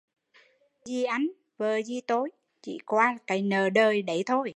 Chồng gì anh, vợ gì tôi chỉ qua cái nợ đời đấy thôi